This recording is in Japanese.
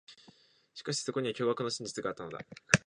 しかし、そこには驚愕の真実があったのだ。